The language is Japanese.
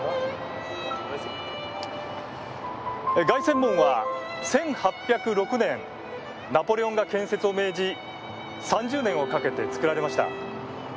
凱旋門は、１８０６年ナポレオンが建設を命じ３０年をかけて造られました。